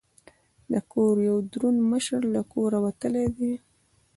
د کور یو دروند مشر له کوره وتلی دی.